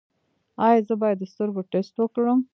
ایا زه باید د سترګو ټسټ وکړم؟